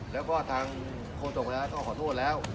แล้วก็ทางโครตกรรมรัฐเขาขอโทษแล้ว